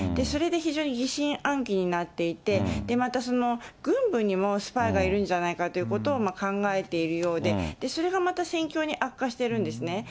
それで非常に疑心暗鬼になっていて、また軍部にもスパイがいるんじゃないかということを考えているようで、それがまた戦況に悪化してるんですね。